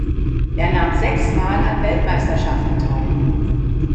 Er nahm sechsmal an Weltmeisterschaften teil.